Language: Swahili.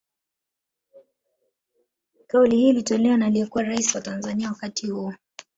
Kauli hii ilitolewa na aliyekuwa raisi wa Tanzania wakati huo